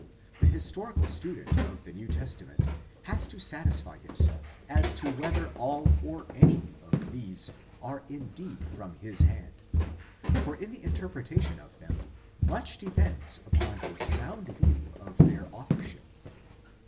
The his torical student of the New Testament has to satisfy himself as to whether all or any of these are indeed from his hand, for in the interpretation of them much depends upon a sound view of their authorship.